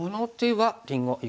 はい。